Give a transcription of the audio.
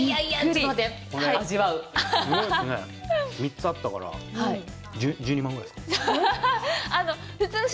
３つあったから、１２万ぐらいですか。